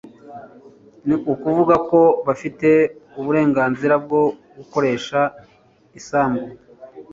ni ukuvuga ko bafite uburenganzira bwo gukoresha isambu